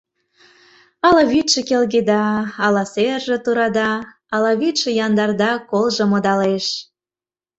Ала вӱдшӧ келге да, ала серже тура да, Ала вӱдшӧ яндар да, колжо модалеш.